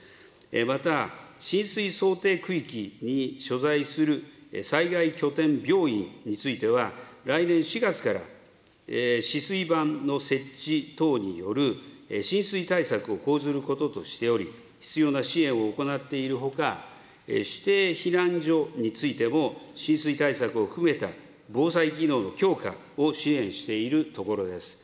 また、浸水想定区域に所在する災害拠点病院については、来年４月から、止水板の設置等による浸水対策を講ずることとしており、必要な支援を行っているほか、指定避難所についても浸水対策を含めた防災機能の強化を支援しているところです。